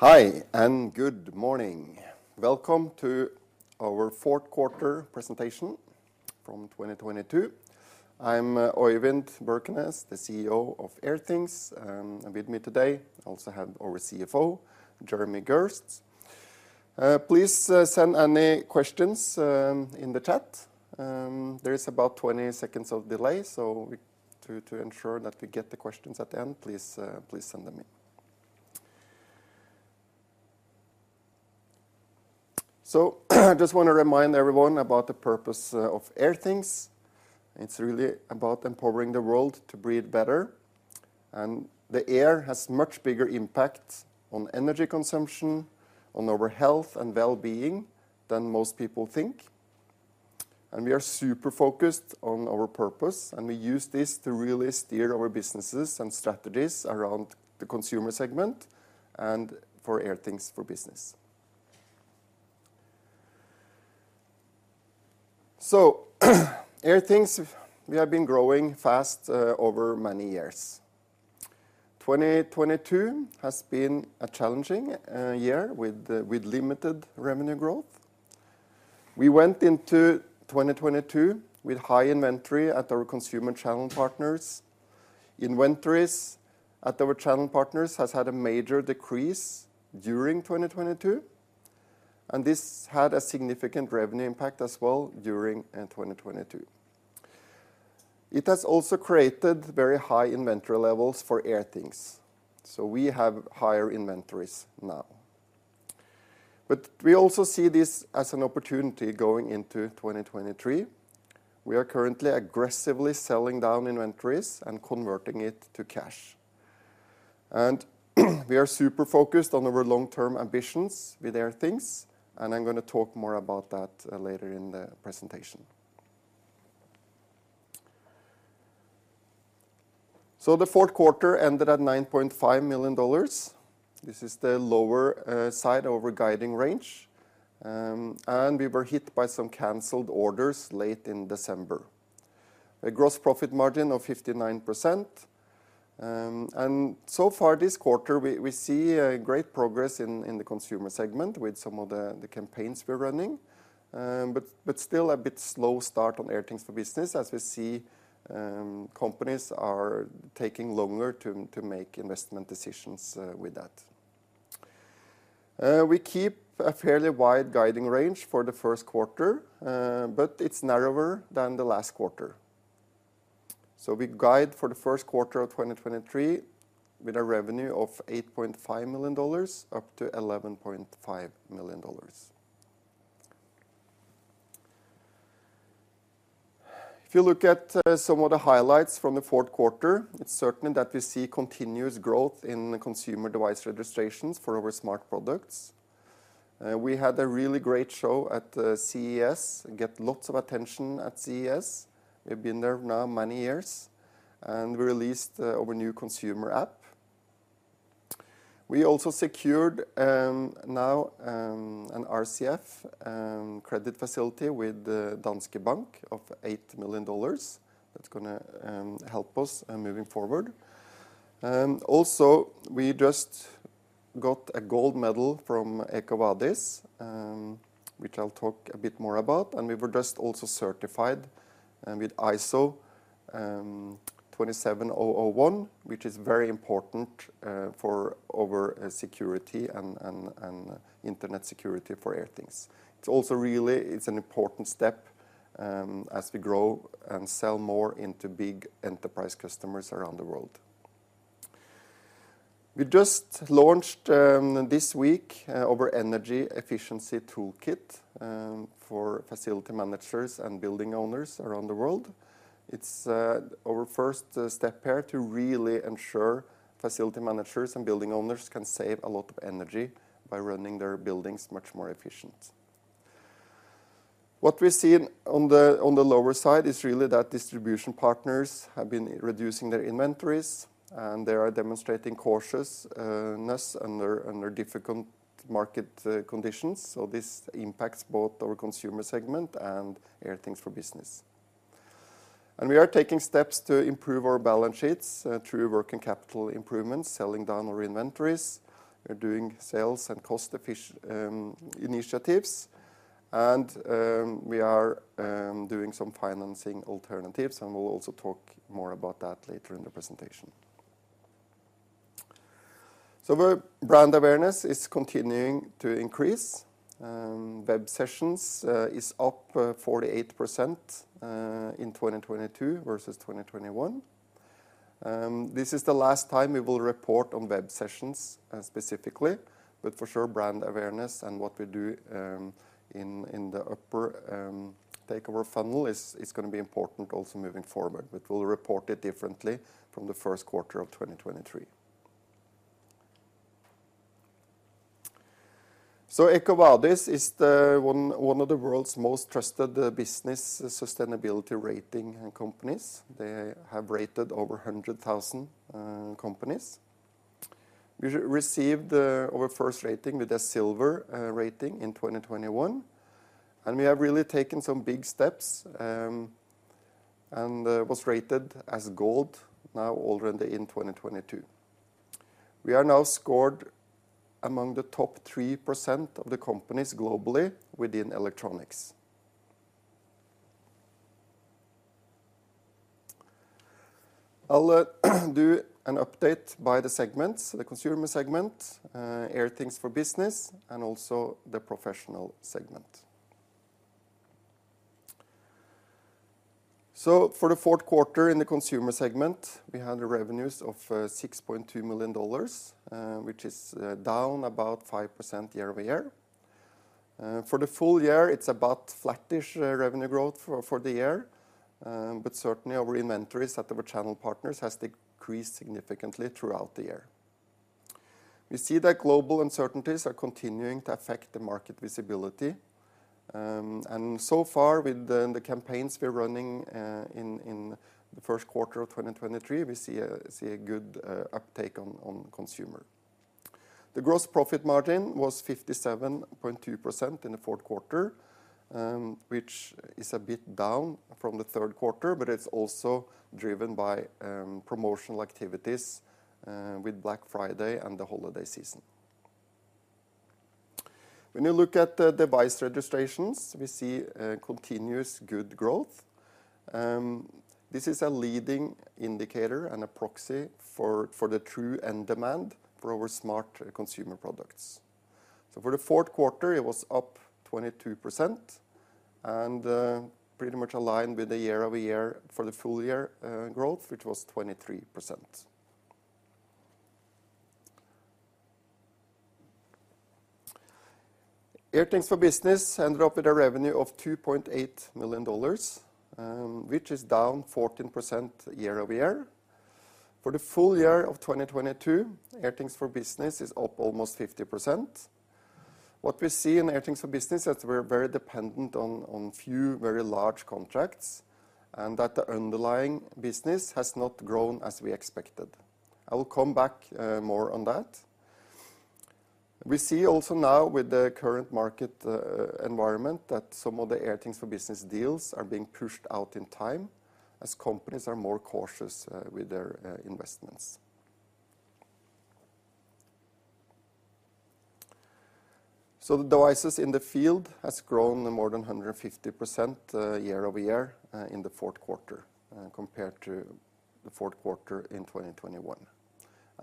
Hi, good morning. Welcome to our fourth quarter presentation for 2022. I'm Øyvind Birkenes, the CEO of Airthings. With me today I also have our CFO, Jeremy Gerst. Please send any questions in the chat. There is about 20 seconds of delay, so to ensure that we get the questions at the end, please send them in. Just want to remind everyone about the purpose of Airthings. It's really about empowering the world to breathe better, and the air has much bigger impact on energy consumption, on our health and wellbeing than most people think. We are super focused on our purpose, and we use this to really steer our businesses and strategies around the consumer segment and for Airthings for Business. Airthings, we has been growing fast over many years. 2022 has been a challenging year with limited revenue growth. We went into 2022 with high inventory at our consumer channel partners. Inventories at our channel partners have had a major decrease during 2022, this had a significant revenue impact as well during 2022. It has also created very high inventory levels for Airthings, we have higher inventories now. We also see this as an opportunity going into 2023. We are currently aggressively selling down inventories and converting it to cash. We are super focused on our long-term ambitions with Airthings, and I'm gonna talk more about that later in the presentation. The fourth quarter ended at $9.5 million. This is the lower side of our guiding range. We were hit by some cancelled orders late in December. A gross profit margin of 59%. So far this quarter we see great progress in the consumer segment with some of the campaigns we're running. Still a bit of a slow start on Airthings for Business as we see companies are taking longer to make investment decisions with that. We keep a fairly wide guiding range for the first quarter, it's narrower than the last quarter. We guide for the first quarter of 2023 with a revenue of $8.5 million-$11.5 million. If you look at some of the highlights from the fourth quarter, it's certain that we see continuous growth in the consumer device registrations for our smart products. We had a really great show at CES, got lots of attention at CES. We've been there now for many years. We released our new consumer app. We also secured now an RCF credit facility with the Danske Bank of $8 million. That's gonna help us moving forward. Also, we just got a gold medal from EcoVadis, which I'll talk a bit more about, and we were just also certified with ISO 27001, which is very important for our security and internet security for Airthings. It's also really an important step as we grow and sell more into big enterprise customers around the world. We just launched this week our Energy Efficiency Toolkit for facility managers and building owners around the world. It's our first step here to really ensure facility managers and building owners can save a lot of energy by running their buildings much more efficient. What we see on the, on the lower side is really that distribution partners have been reducing their inventories, and they are demonstrating cautiousness under difficult market conditions. This impacts both our consumer segment and Airthings for Business. We are taking steps to improve our balance sheets, through working capital improvements, selling down our inventories. We're doing sales and cost initiatives, and we are doing some financing alternatives, and we'll also talk more about that later in the presentation. Our brand awareness is continuing to increase. Web sessions are up 48% in 2022 versus 2021. This is the last time we will report on web sessions specifically, but for sure brand awareness and what we do in the upper takeover funnel is gonna be important also moving forward. We'll report it differently from the first quarter of 2023. EcoVadis is one of the world's most trusted business sustainability rating companies. They have rated over 100,000 companies. We received our first rating with a Silver rating in 2021, and we have really taken some big steps. Was rated as gold now already in 2022. We are now scored among the top 3% of the companies globally within electronics. I'll do an update by the segments, the consumer segment, Airthings for Business, and also the professional segment. For the fourth quarter in the consumer segment, we had the revenues of $6.2 million, which is down about 5% year-over-year. For the full year, it's about flattish revenue growth for the year. Certainly our inventories at our channel partners has decreased significantly throughout the year. We see that global uncertainties are continuing to affect the market visibility. So far with the campaigns we're running in the first quarter of 2023, we see a good uptake on consumer. The gross profit margin was 57.2% in the fourth quarter, which is a bit down from the third quarter, but it's also driven by promotional activities with Black Friday and the holiday season. If you look at the device registrations, we see a continuous good growth. This is a leading indicator and a proxy for the true end demand for our smart consumer products. For the fourth quarter, it was up 22% and pretty much aligned with the year-over-year for the full-year growth, which was 23%. Airthings for Business ended up with a revenue of $2.8 million, which is down 14% year-over-year. For the full year of 2022, Airthings for Business is up almost 50%. What we see in Airthings for Business is we're very dependent on few very large contracts and that the underlying business has not grown as we expected. I will come back more on that. We see also now with the current market environment that some of the Airthings for Business deals are being pushed out in time as companies are more cautious with their investments. The devices in the field has grown more than 150% year-over-year in the fourth quarter compared to the fourth quarter in 2021.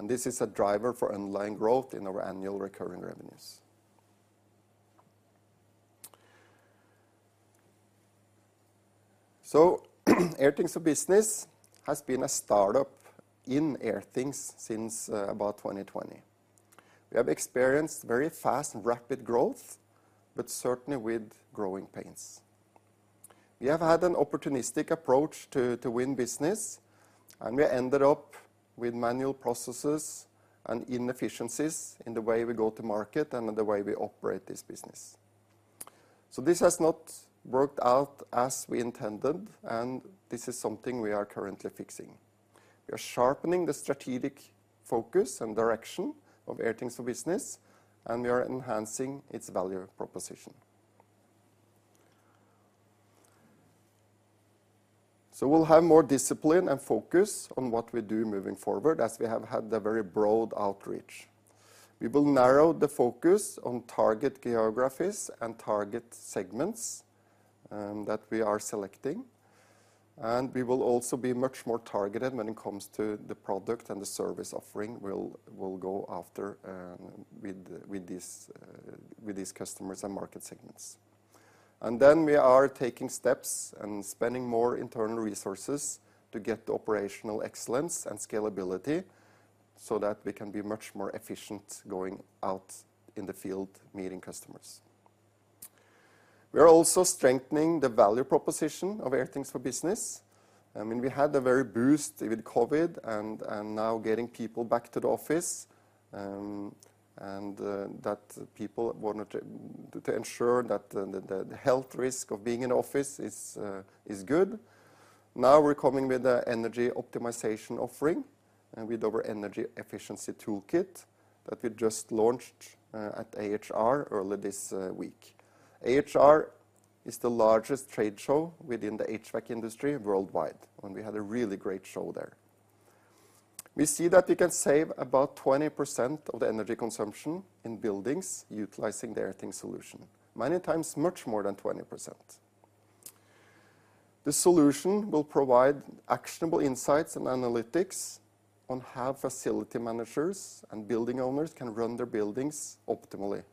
This is a driver for underlying growth in our annual recurring revenues. Airthings for Business has been a startup in Airthings since about 2020. We have experienced very fast and rapid growth, but certainly with growing pains. We have had an opportunistic approach to win business, and we ended up with manual processes and inefficiencies in the way we go to market and the way we operate this business. This has not worked out as we intended, and this is something we are currently fixing. We are sharpening the strategic focus and direction of Airthings for Business, and we are enhancing its value proposition. We'll have more discipline and focus on what we do moving forward as we have had a very broad outreach. We will narrow the focus on target geographies and target segments that we are selecting. We will also be much more targeted when it comes to the product and the service offering we'll go after with these customers and market segments. We are taking steps and spending more internal resources to get operational excellence and scalability so that we can be much more efficient going out in the field meeting customers. We are also strengthening the value proposition of Airthings for Business. I mean, we had a very boost with COVID and, now getting people back to the office, and that people wanted to ensure that the health risk of being in office is good. Now we're coming with an energy optimization offering with our Energy Efficiency Toolkit that we just launched at AHR earlier this week. AHR is the largest trade show within the HVAC industry worldwide, and we had a really great show there. We see that we can save about 20% of the energy consumption in buildings utilizing the Airthings solution, many times much more than 20%. The solution will provide actionable insights and analytics on how facility managers and building owners can run their buildings optimally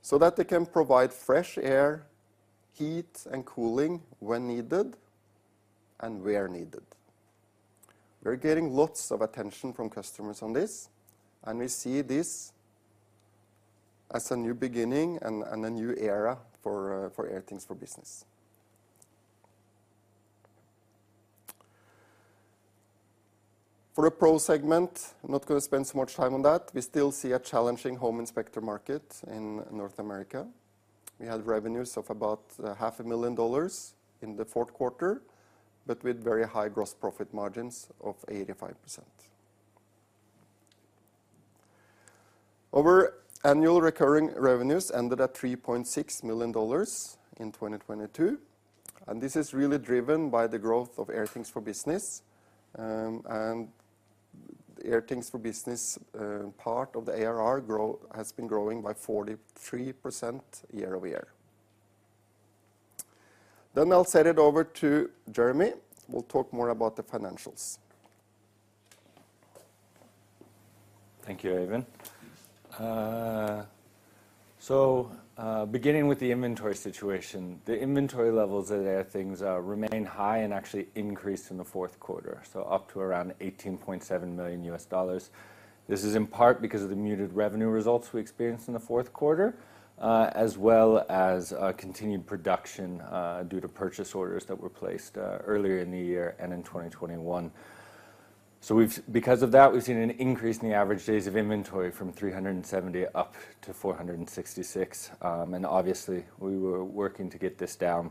so that they can provide fresh air, heat, and cooling when needed and where needed. We're getting lots of attention from customers on this. We see this as a new beginning and a new era for Airthings for Business. For the Pro segment, I'm not going to spend so much time on that. We still see a challenging home inspector market in North America. We had revenues of about half a million dollars in the fourth quarter with very high gross profit margins of 85%. Our annual recurring revenues ended at $3.6 million in 2022. This is really driven by the growth of Airthings for Business. Airthings for Business, part of the ARR has been growing by 43% year-over-year. I'll send it over to Jeremy, who will talk more about the financials. Thank you, Øyvind. Beginning with the inventory situation, the inventory levels at Airthings remain high and actually increased in the fourth quarter, up to around $18.7 million. This is in part because of the muted revenue results we experienced in the fourth quarter, as well as continued production due to purchase orders that were placed earlier in the year and in 2021. Because of that, we've seen an increase in the average days of inventory from 370 up to 466. Obviously we were working to get this down.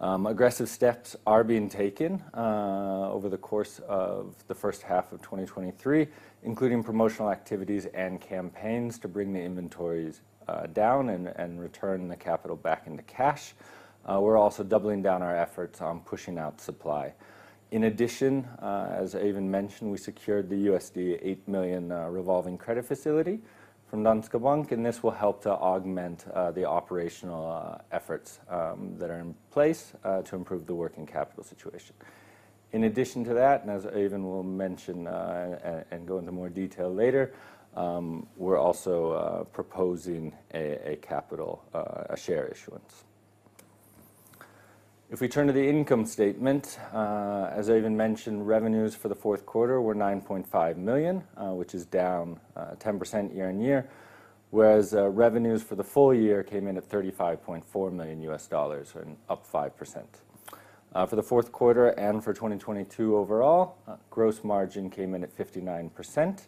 Aggressive steps are being taken over the course of the first half of 2023, including promotional activities and campaigns to bring the inventories down and return the capital to cash. We're also doubling down our efforts on pushing out supply. In addition, as Øyvind mentioned, we secured the $8 million revolving credit facility from Danske Bank, and this will help to augment the operational efforts that are in place to improve the working capital situation. In addition to that, and as Øyvind will mention and go into more detail later, we're also proposing a capital a share issuance. If we turn to the income statement, as Øyvind mentioned, revenues for the fourth quarter were $9.5 million, which is down 10% year-on-year, whereas revenues for the full year came in at $35.4 million and up 5%. For the fourth quarter and for 2022 overall, gross margin came in at 59%.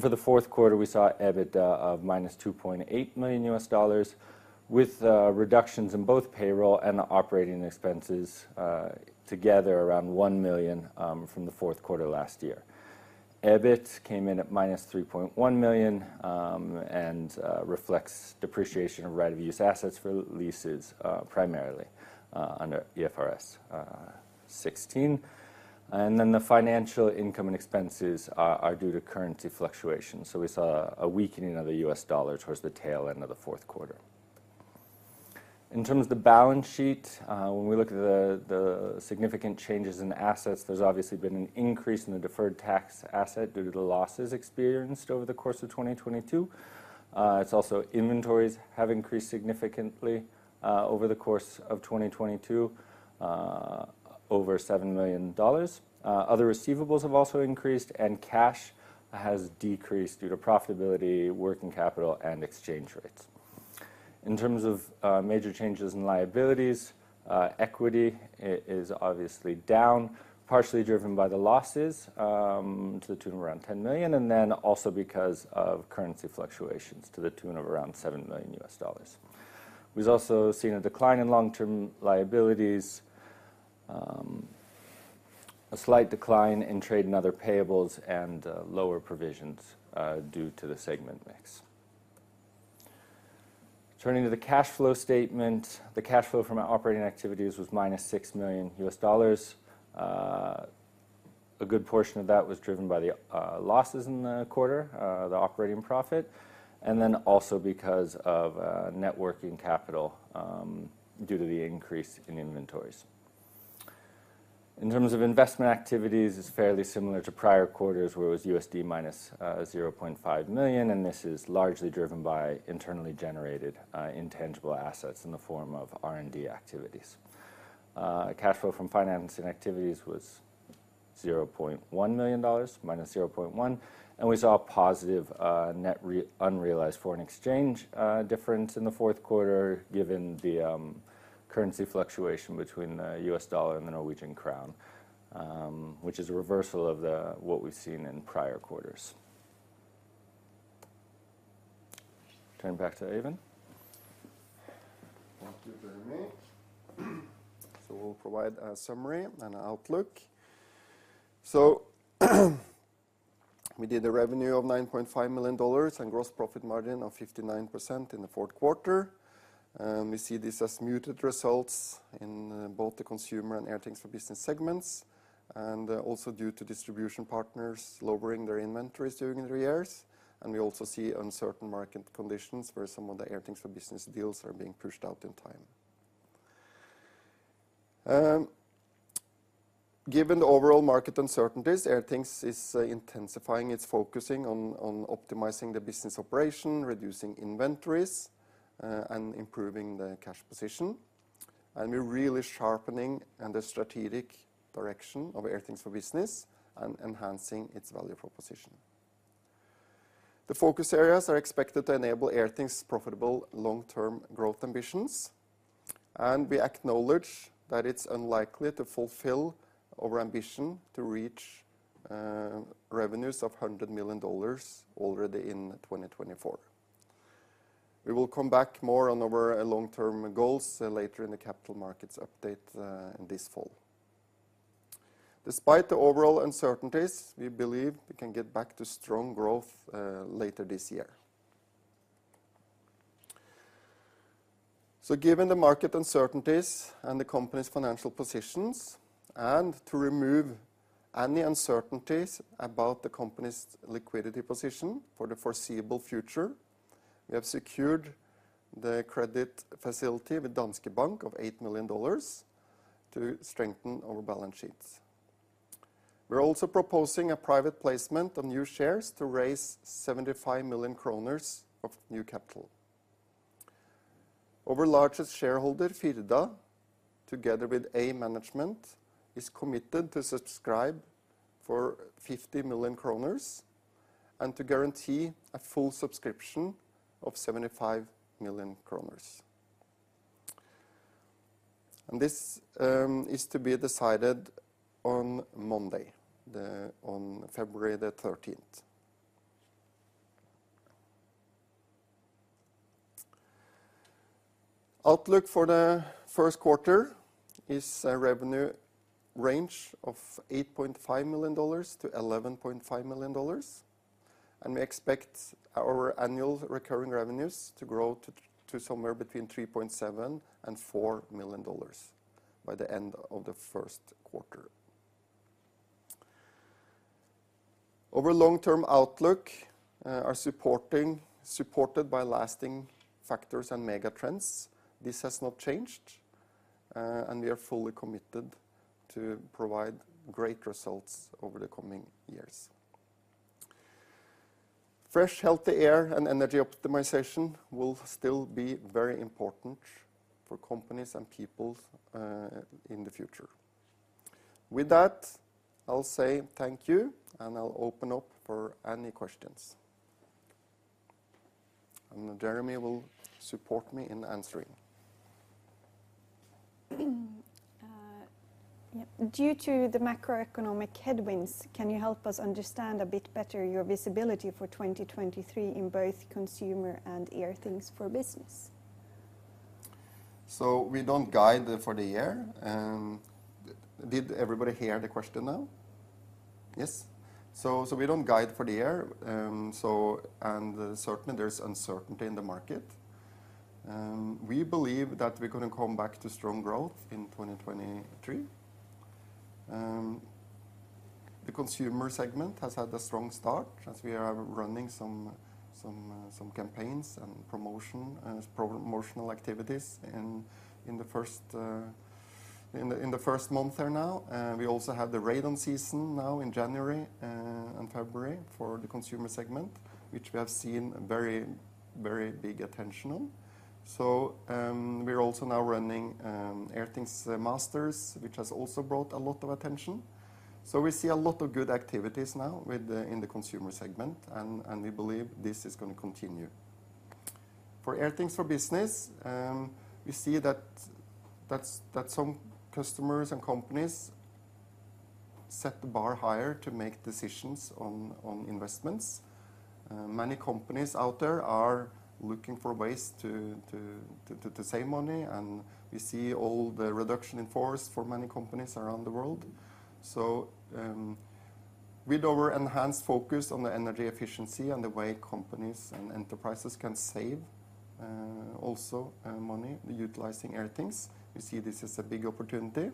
For the fourth quarter, we saw EBITDA of -$2.8 million with reductions in both payroll and the operating expenses, together around $1 million from the fourth quarter last year. EBIT came in at -$3.1 million, and reflects depreciation of right-of-use assets for leases, primarily under IFRS 16. The financial income and expenses are due to currency fluctuations, so we saw a weakening of the U.S. dollar towards the tail end of the fourth quarter. In terms of the balance sheet, when we look at the significant changes in assets, there's obviously been an increase in the deferred tax asset due to the losses experienced over the course of 2022. It's also inventories have increased significantly over the course of 2022, over $7 million. Other receivables have also increased, and cash has decreased due to profitability, working capital, and exchange rates. In terms of major changes in liabilities, equity is obviously down, partially driven by the losses, to the tune of around $10 million, and then also because of currency fluctuations to the tune of around $7 million US dollars. We've also seen a decline in long-term liabilities, a slight decline in trade and other payables, and lower provisions due to the segment mix. Turning to the cash flow statement, the cash flow from our operating activities was -$6 million. A good portion of that was driven by the losses in the quarter, the operating profit, and then also because of net working capital, due to the increase in inventories. In terms of investment activities, it's fairly similar to prior quarters, where it was -$0.5 million. This is largely driven by internally generated intangible assets in the form of R&D activities. Cash flow from financing activities was $0.1 million, minus $0.1. We saw a positive net unrealized foreign exchange difference in the fourth quarter given the currency fluctuation between the U.S. dollar and the Norwegian crown, which is a reversal of what we've seen in prior quarters. Turning back to Øyvind. Thank you, Jeremy. We'll provide a summary and outlook. We did a revenue of $9.5 million and gross profit margin of 59% in the fourth quarter. We see this as muted results in both the consumer and Airthings for Business segments and also due to distribution partners lowering their inventories during the years. We also see uncertain market conditions where some of the Airthings for Business deals are being pushed out in time. Given the overall market uncertainties, Airthings is intensifying its focusing on optimizing the business operation, reducing inventories, and improving the cash position. We're really sharpening in the strategic direction of Airthings for Business and enhancing its value proposition. The focus areas are expected to enable Airthings' profitable long-term growth ambitions. We acknowledge that it's unlikely to fulfill our ambition to reach revenues of $100 million already in 2024. We will come back more on our long-term goals later in the capital markets update in this fall. Despite the overall uncertainties, we believe we can get back to strong growth later this year. Given the market uncertainties and the company's financial positions, and to remove any uncertainties about the company's liquidity position for the foreseeable future, we have secured the credit facility with Danske Bank of $8 million to strengthen our balance sheets. We're also proposing a private placement of new shares to raise 75 million kroner of new capital. Our largest shareholder, Firda, together with A Management, is committed to subscribe for 50 million kroner and to guarantee a full subscription of 75 million kroner. This is to be decided on Monday, February 13. Outlook for the first quarter is a revenue range of $8.5 million-$11.5 million, and we expect our annual recurring revenues to grow somewhere between $3.7 million and $4 million by the end of the first quarter. Our long-term outlook is supported by lasting factors and megatrends. This has not changed, and we are fully committed to provide great results over the coming years. Fresh, healthy air and energy optimization will still be very important for companies and people in the future. With that, I'll say thank you, and I'll open up for any questions. Jeremy will support me in answering. Yep. Due to the macroeconomic headwinds, can you help us understand a bit better your visibility for 2023 in both consumer and Airthings for Business? We don't guide for the year. Did everybody hear the question now? Yes. We don't guide for the year. Certainly there's uncertainty in the market. We believe that we're gonna come back to strong growth in 2023. The consumer segment has had a strong start as we are running some campaigns and promotional activities in the first month there now. We also have the Radon season now in January and February for the consumer segment, which we have seen very big attention on. We're also now running Airthings Masters, which has also brought a lot of attention. We see a lot of good activities now in the consumer segment and we believe this is gonna continue. For Airthings for Business, we see that some customers and companies set the bar higher to make decisions on investments. Many companies out there are looking for ways to save money, and we see all the reduction in force for many companies around the world. With our enhanced focus on the energy efficiency and the way companies and enterprises can save also money utilizing Airthings, we see this as a big opportunity.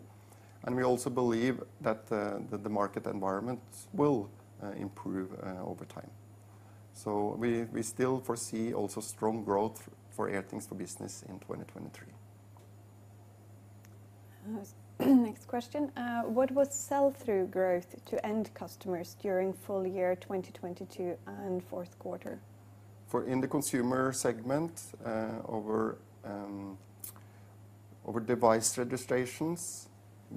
We also believe that the market environment will improve over time. We still foresee also strong growth for Airthings for Business in 2023. Next question. What was sell-through growth to end customers during full-year 2022 and fourth quarter? For in the consumer segment, our device registrations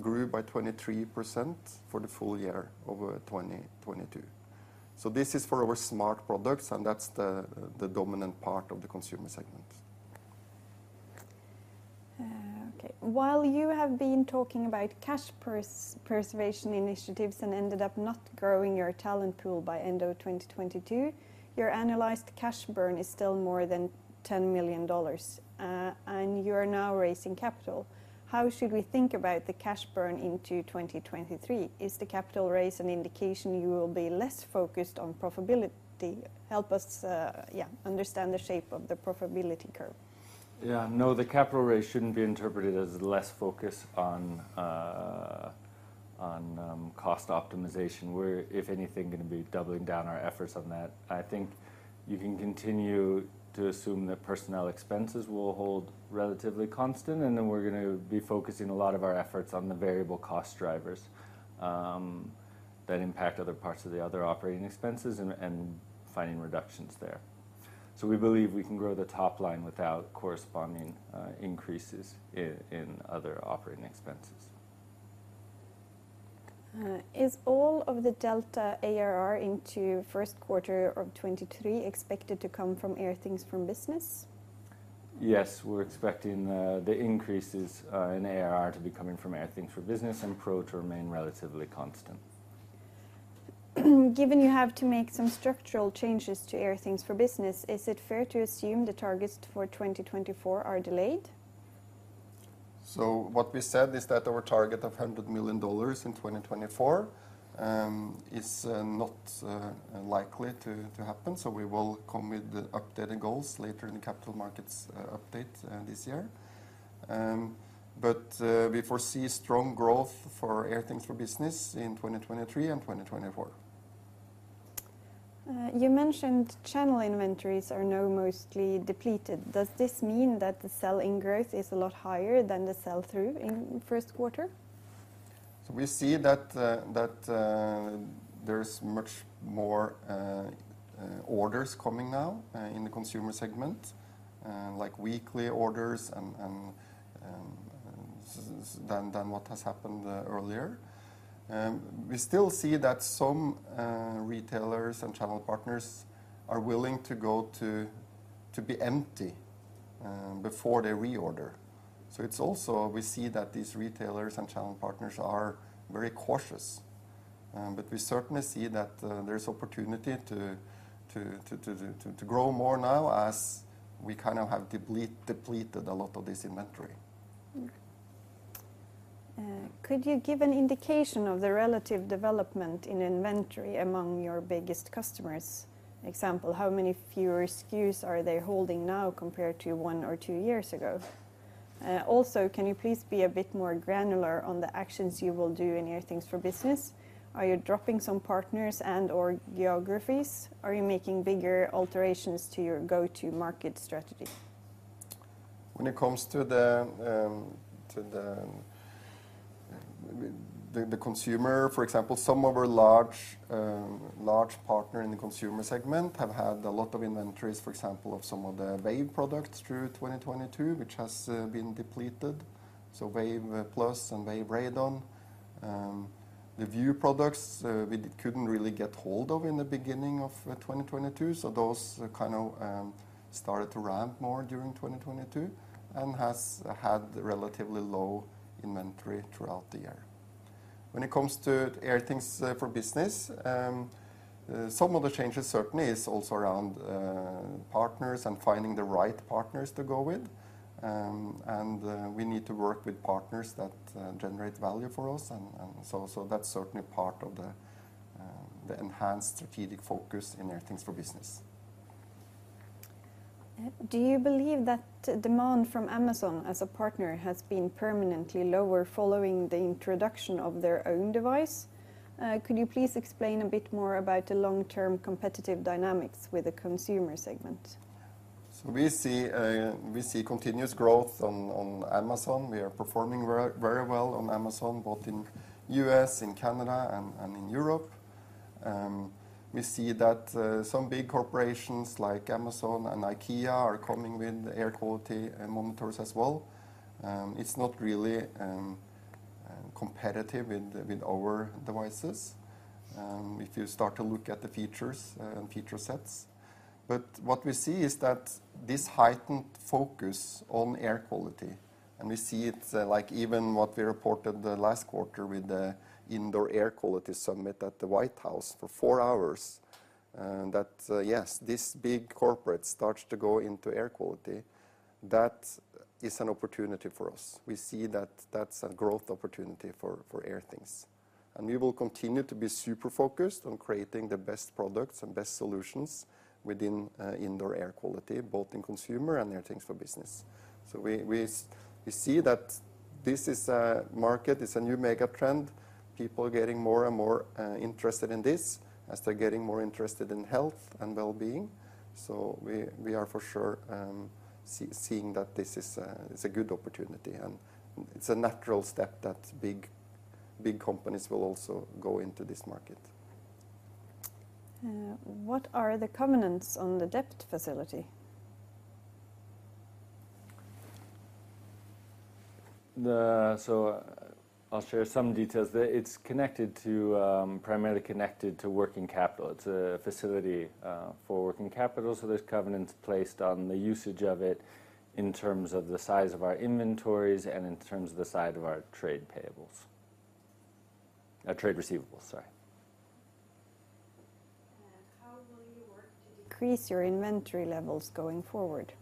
grew by 23% for the full year over 2022. This is for our smart products, and that's the dominant part of the consumer segment. Okay. While you have been talking about cash preservation initiatives and ended up not growing your talent pool by end of 2022, your annualized cash burn is still more than $10 million. You're now raising capital. How should we think about the cash burn into 2023? Is the capital raise an indication you will be less focused on profitability? Help us understand the shape of the profitability curve. No, the capital raise shouldn't be interpreted as less focus on cost optimization. We're, if anything, going to be doubling down our efforts on that. I think you can continue to assume that personnel expenses will hold relatively constant. Then we're going to be focusing a lot of our efforts on the variable cost drivers that impact other parts of the other operating expenses and finding reductions there. We believe we can grow the top line without corresponding increases in other operating expenses. Is all of the delta ARR into first quarter of 2023 expected to come from Airthings for Business? Yes. We're expecting the increases in ARR to be coming from Airthings for Business and Pro to remain relatively constant Given you have to make some structural changes to Airthings for Business, is it fair to assume the targets for 2024 are delayed? What we said is that our target of $100 million in 2024 is not likely to happen, so we will come with the updated goals later in the capital markets update this year. We foresee strong growth for Airthings for Business in 2023 and 2024. You mentioned channel inventories are now mostly depleted. Does this mean that the sell-in growth is a lot higher than the sell-through in first quarter? We see that there's much more orders coming now in the consumer segment. Like weekly orders and than what has happened earlier. We still see that some retailers and channel partners are willing to go to be empty before they reorder. It's also we see that these retailers and channel partners are very cautious, we certainly see that there's opportunity to grow more now as we kind of have depleted a lot of this inventory. Could you give an indication of the relative development in inventory among your biggest customers? Example, how many fewer SKUs are they holding now compared to one or two years ago? Also, can you please be a bit more granular on the actions you will do in Airthings for Business? Are you dropping some partners and/or geographies? Are you making bigger alterations to your go-to market strategy? When it comes to the consumer, for example, some of our large partner in the consumer segment have had a lot of inventories, for example, of some of the Wave products through 2022, which has been depleted. So Wave Plus and Wave Radon. The View products, we couldn't really get hold of in the beginning of 2022, so those kind of started to ramp more during 2022 and has had relatively low inventory throughout the year. When it comes to Airthings for Business, some of the changes certainly is also around partners and finding the right partners to go with. We need to work with partners that generate value for us and so that's certainly part of the enhanced strategic focus in Airthings for Business. Do you believe that demand from Amazon as a partner has been permanently lower following the introduction of their own device? Could you please explain a bit more about the long-term competitive dynamics with the consumer segment? We see continuous growth on Amazon. We are performing very, very well on Amazon, both in U.S., in Canada and in Europe. We see that some big corporations like Amazon and IKEA are coming with air quality monitors as well. It's not really competitive with our devices, if you start to look at the features and feature sets. What we see is that this heightened focus on air quality, and we see it, like even what we reported the last quarter with the Indoor Air Quality Summit at the White House for four hours, that, yes, this big corporate starts to go into air quality. That is an opportunity for us. We see that that's a growth opportunity for Airthings. We will continue to be super focused on creating the best products and best solutions within indoor air quality, both in consumer and Airthings for Business. We see that this is a market, it's a new mega trend. People are getting more and more interested in this as they're getting more interested in health and wellbeing. We are for sure, see-seeing that this is a good opportunity, and it's a natural step that big companies will also go into this market. What are the covenants on the debt facility? I'll share some details. It's connected to, primarily connected to working capital. It's a facility for working capital, so there's covenants placed on the usage of it in terms of the size of our inventories and in terms of the size of our trade payables. Trade receivables, sorry. How will you work to decrease your inventory levels going forward?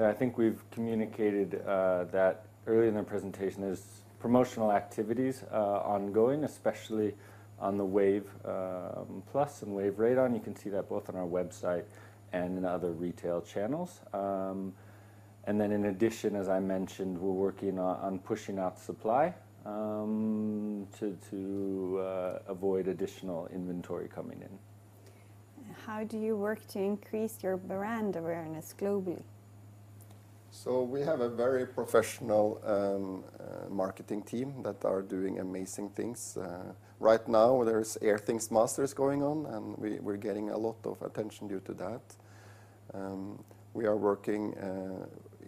I think we've communicated that early in the presentation. There's promotional activities ongoing, especially on the Wave Plus and Wave Radon. You can see that both on our website and in other retail channels. Then in addition, as I mentioned, we're working on pushing out supply to avoid additional inventory coming in. How do you work to increase your brand awareness globally? We have a very professional marketing team that are doing amazing things. Right now there's Airthings Masters going on, and we're getting a lot of attention due to that. We are working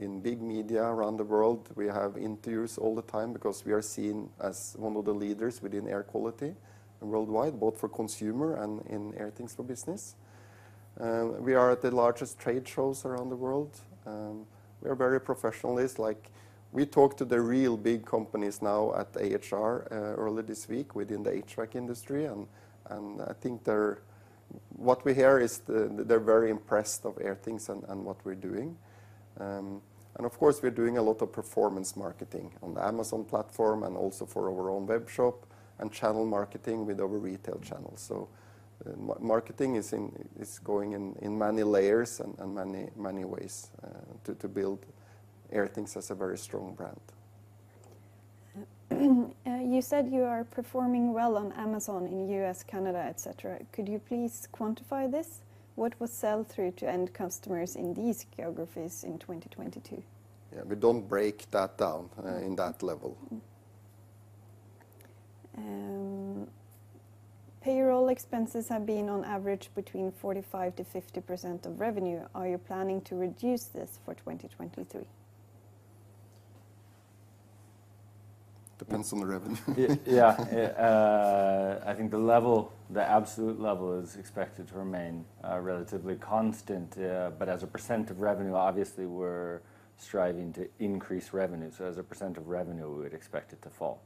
in big media around the world. We have interviews all the time because we are seen as one of the leaders within air quality worldwide, both for consumer and in Airthings for Business. We are at the largest trade shows around the world. We are very professionalist. Like, we talked to the real big companies now at AHR earlier this week within the HVAC industry, and what we hear is they're very impressed of Airthings and what we're doing. Of course, we're doing a lot of performance marketing on the Amazon platform and also for our own web shop and channel marketing with our retail channels. Marketing is going in many layers and many ways, to build Airthings as a very strong brand. You said you are performing well on Amazon in U.S., Canada, et cetera. Could you please quantify this? What was sell-through to end customers in these geographies in 2022? Yeah. We don't break that down, in that level. Payroll expenses have been on average between 45%-50% of revenue. Are you planning to reduce this for 2023? Depends on the revenue. Yeah. I think the level, the absolute level is expected to remain relatively constant. As a percentage of revenue, obviously we're striving to increase revenue. As a percentage of revenue, we'd expect it to fall.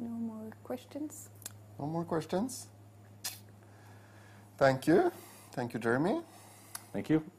No more questions. No more questions. Thank you. Thank you, Jeremy. Thank you.